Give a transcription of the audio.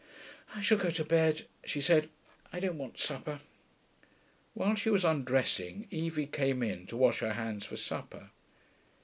'I shall go to bed,' she said. 'I don't want supper.' While she was undressing, Evie came in, to wash her hands for supper.